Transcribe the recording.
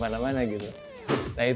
saya belum nemuin lagi sih kayak gitu sih